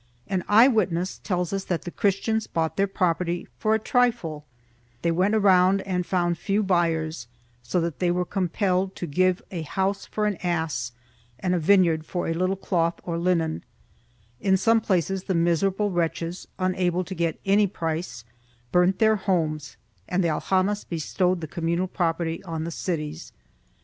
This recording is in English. An eye witness tells us that the Christians bought their property for a trifle; they went around and found few buyers, so that they were compelled to give a house for an ass and a vineyard for a little cloth or linen: in some places the miserable wretches, unable to get any price, burnt their homes and the al jamas bestowed the communal property on the cities.